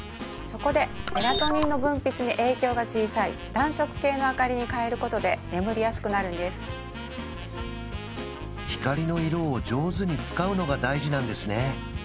そこでメラトニンの分泌に影響が小さい暖色系の明かりに変えることで眠りやすくなるんです光の色を上手に使うのが大事なんですね